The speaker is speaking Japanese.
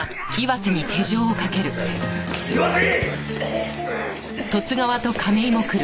岩瀬！